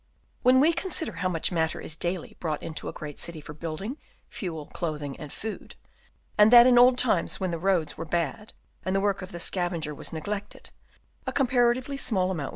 When we con sider how much matter is daily brought into a great city for building, fuel, clothing and food, and that in old times when the roads were bad and the work of the scavenger was neglected, a comparatively small amount o 180 BURIAL OF THE REMAINS Chap. IV.